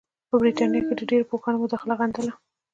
په برټانیه کې ډېرو پوهانو مداخله غندله.